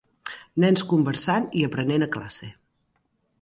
Nens conversant i aprenent a classe.